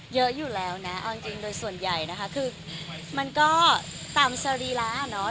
เยอะอยู่แล้วนะเอาจริงโดยส่วนใหญ่นะคะคือมันก็ตามสรีระเนาะ